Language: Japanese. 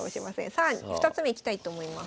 さあ２つ目いきたいと思います。